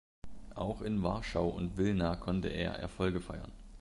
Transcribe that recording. Auch in Warschau und Wilna konnte er Erfolge feiern.